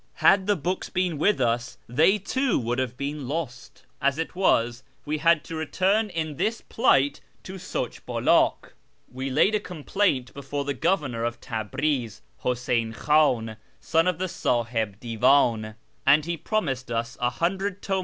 Had the books been with us, they too would have been lost. As it was, we liad to return in this plight to Souch Bulak. We laid a complaint before the Governor of Tabriz, Huseyn Khan, son of the Siihib Divan, and he promised us a hundred t'u.